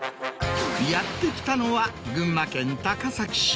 やって来たのは群馬県高崎市。